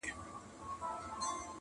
شرنګی دی د ناپایه قافلې د جرسونو!.